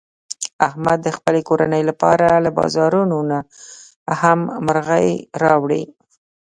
احمد د خپلې کورنۍ لپاره له بازانونه نه هم مرغۍ راوړي.